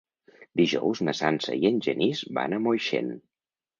Dijous na Sança i en Genís van a Moixent.